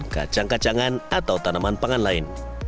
kacang kacangan atau tanaman pangan lain